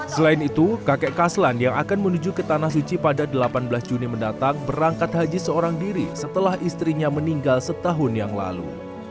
selain itu kakek kaslan yang akan menuju ke tanah suci pada delapan belas juni mendatang berangkat haji seorang diri setelah istrinya meninggal setahun yang lalu